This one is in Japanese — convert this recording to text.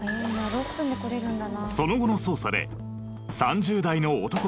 ６分で来れるんだな。